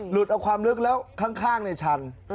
เอาความลึกแล้วข้างในชัน